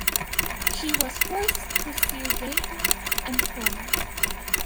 She was forced to pursue gainful employment.